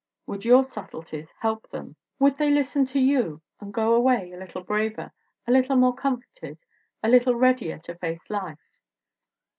Would your subtleties help them? Would they listen to you and go away a little braver, a little more comforted, a little readier to face life?